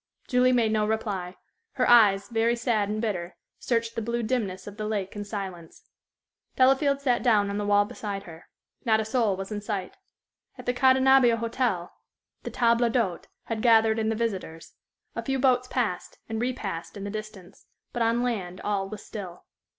Julie made no reply. Her eyes, very sad and bitter, searched the blue dimness of the lake in silence. Delafield sat down on the wall beside her. Not a soul was in sight. At the Cadenabbia Hotel, the table d'hôte had gathered in the visitors; a few boats passed and repassed in the distance, but on land all was still.